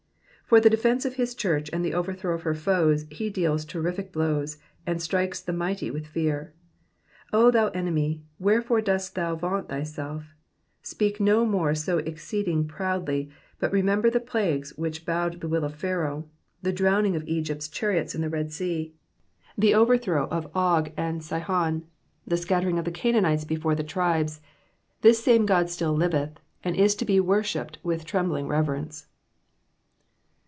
'*'* For the defence of his church and the overthrow of her foes he deals terrific blows, and strikes the mighty with fear. O thou enemy, wherefore dost thou vaunt thyself ? Speak uo more so exceeding proudly, but remember the plagues which bowed the will of Pharaoh, the drowning of Egypt's chariots in the Red Sea, the overthrow of Og and Sihon, the scattering of the Canaanites before the tribes. This same God still liveth, and is to be worshipped with trembling reverence.